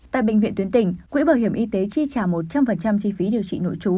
tại bệnh viện tuyến tỉnh quỹ bảo hiểm y tế chi trả một trăm linh chi phí điều trị nội trú